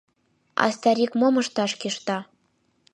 — А Старик мом ышташ кӱшта?